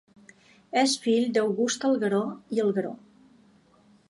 És fill d'August Algueró i Algueró.